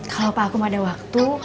kalau pak akum ada waktu